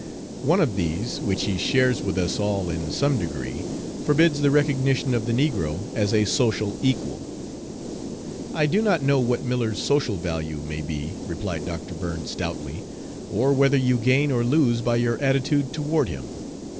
One of these, which he shares with us all in some degree, forbids the recognition of the negro as a social equal." "I do not know what Miller's social value may be," replied Dr. Burns, stoutly, "or whether you gain or lose by your attitude toward him.